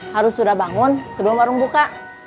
harus sudah bangun sebelum warung buka